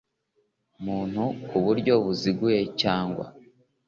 muntu ku buryo buziguye cyangwa